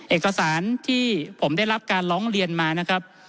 เอกสารที่ผมได้รับการร้องเรียนมานะครับ